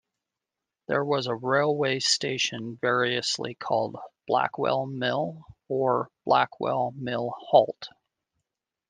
There was a railway station variously called "Blackwell Mill" or "Blackwell Mill Halt".